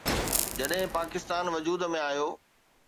جڏهن پاڪستان وجود ۾ آيو.